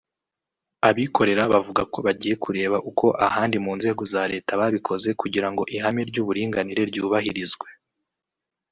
abikorera bavuga ko bagiye kureba uko ahandi mu nzego za Leta babikoze kugira ngo ihame ry’uburinganire ryubahirizwe